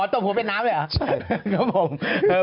ตกหัวเป็นน้ำเลยหรอ